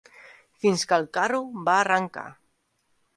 Fins que 'l carro va arrencar